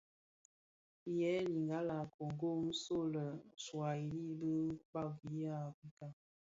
Yèè lingala a Kongo, nso lè Swuahili bi kpagi a Afrika.